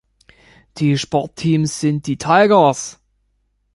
Die Sportteams sind die "Tigers".